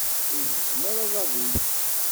Ur gezzem ara aḍad-ik.